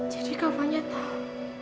jadi kak fanya tau